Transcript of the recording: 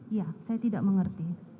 iya saya tidak mengerti